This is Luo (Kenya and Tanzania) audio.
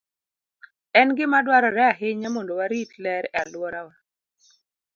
En gima dwarore ahinya mondo warit ler e alworawa.